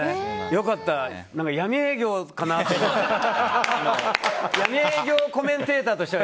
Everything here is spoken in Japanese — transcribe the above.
良かった、闇営業かなと思って。